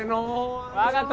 分かった。